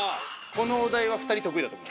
このお題は２人得意だと思います。